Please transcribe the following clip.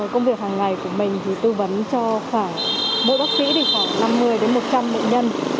công việc hàng ngày của mình thì tư vấn cho mỗi bác sĩ khoảng năm mươi một trăm linh bệnh nhân